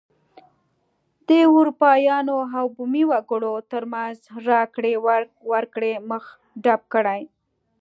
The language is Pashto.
د اروپایانو او بومي وګړو ترمنځ راکړې ورکړې مخه ډپ کړي.